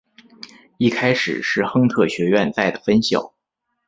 一开始是亨特学院在的分校。